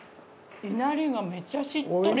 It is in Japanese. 稲荷がめちゃしっとり！